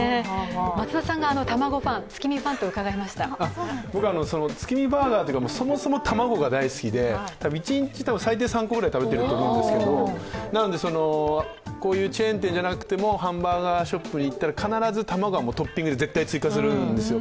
松田さんが卵ファン、僕は月見バーガーというかそもそも卵が大好きで、一日、最低３個ぐらい食べてると思うんですけどなのでこういうチェーン店でなくてもハンバーガーショップへ行ったら必ず卵はトッピングで絶対追加するんですよ。